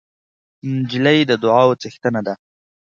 نجلۍ د دعاوو څښتنه ده.